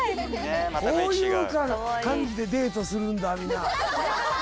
こういう感じでデートするんだみんな。